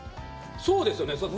そうですよね